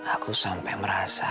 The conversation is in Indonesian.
aku sampai merasa